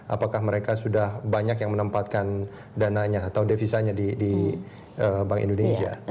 apakah mereka sudah banyak yang menempatkan dananya atau devisanya di bank indonesia